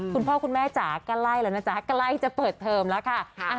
คุณพ่อคุณแม่จะกลายแล้วนะจะเปิดเทศมาแล้วค่ะ